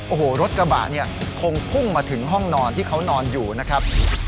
โอ้โหรถกระบะเนี่ยคงพุ่งมาถึงห้องนอนที่เขานอนอยู่นะครับ